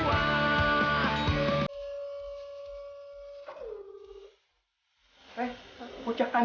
apakah ini rumah tuhan